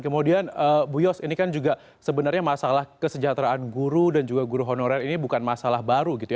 kemudian bu yos ini kan juga sebenarnya masalah kesejahteraan guru dan juga guru honorer ini bukan masalah baru gitu ya